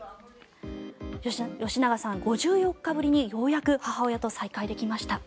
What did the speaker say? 吉永さん、５４日ぶりにようやく母親と再会できました。